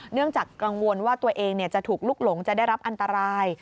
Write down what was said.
เนื่องจากกังวลว่าตัวเองจะถูกลุกหลงจะได้รับอันตราย